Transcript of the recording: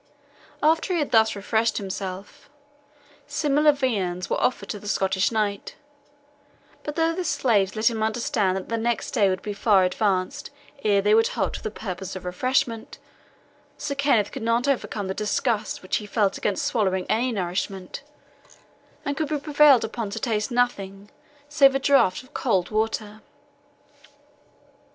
After he had thus refreshed himself, similar viands were offered to the Scottish knight; but though the slaves let him understand that the next day would be far advanced ere they would halt for the purpose of refreshment, Sir Kenneth could not overcome the disgust which he felt against swallowing any nourishment, and could be prevailed upon to taste nothing, saving a draught of cold water.